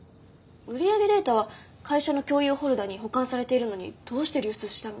売り上げデータは会社の共有フォルダーに保管されているのにどうして流出したの？